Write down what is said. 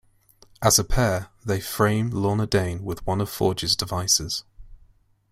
As a pair, they frame Lorna Dane with one of Forge's devices.